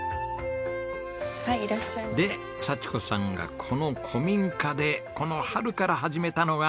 で幸子さんがこの古民家でこの春から始めたのが。